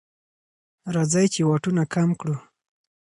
راځئ چې واټنونه کم کړو.